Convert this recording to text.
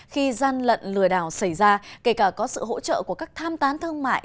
khi gian lận lừa đảo xảy ra kể cả có sự hỗ trợ của các tham tán thương mại